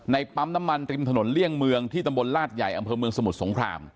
ปั๊มน้ำมันริมถนนเลี่ยงเมืองที่ตำบลลาดใหญ่อำเภอเมืองสมุทรสงคราม